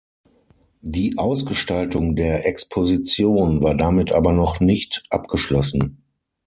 Die Ausgestaltung der Exposition war damit aber noch nicht abgeschlossen.